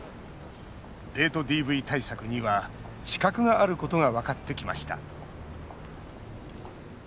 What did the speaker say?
デートＤＶ対策には死角があることが分かってきました。